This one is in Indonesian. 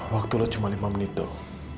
waktu lu cuma lima menit tuh